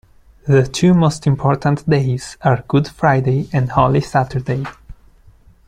The two most important days are Good Friday and Holy Saturday.